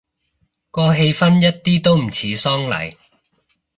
個氣氛一啲都唔似喪禮